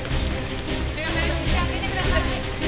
すみません道開けてください。